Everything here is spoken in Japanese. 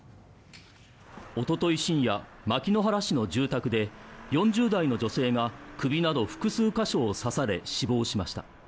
おととい深夜牧之原市の住宅で４０代の女性が首など複数箇所を刺され死亡しました。